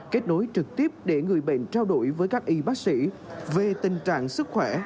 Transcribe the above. kết nối trực tiếp để người bệnh trao đổi với các y bác sĩ về tình trạng sức khỏe